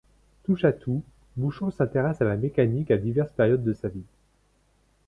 Touche à tout, Bouchaud s’intéresse à la mécanique à diverses périodes de sa vie.